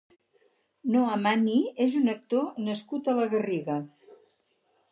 Noah Manni és un actor nascut a la Garriga.